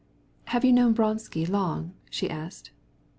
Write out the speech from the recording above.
"Have you known Vronsky long?" she asked.